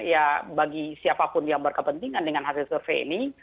ya bagi siapapun yang berkepentingan dengan hasil survei ini